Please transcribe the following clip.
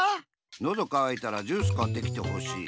のどかわいたらジュースかってきてほしい。